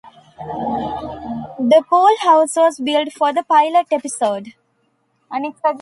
The pool house was built for the pilot episode.